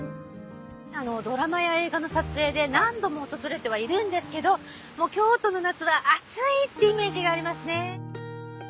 ドラマや映画の撮影で何度も訪れてはいるんですけど京都の夏は暑いってイメージがありますね。